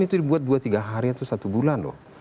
itu dibuat dua tiga hari atau satu bulan loh